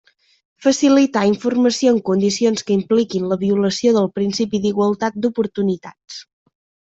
Facilitar informació en condicions que impliquin la violació del principi d'igualtat d'oportunitats.